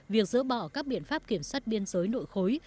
việc dỡ bỏ các biện pháp kiểm soát biên giới nội khối